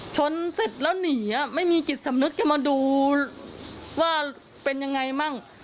ชนเสร็จแล้วหนีไม่มีจิตสำนึกจะมาดูว่าเป็นยังไงมั่ง